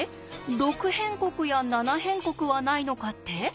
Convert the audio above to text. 「六辺国」や「七辺国」はないのかって？